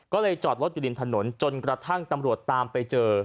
ก็เลยจอดรถอยู่ริมถนนจนกระทั่งตำรวจตามไปเจอ